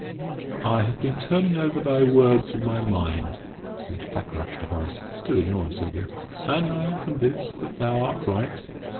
"I have been turning over thy words in my mind," said Fakrash to Horace, still ignoring Sylvia, "and I am convinced that thou art right.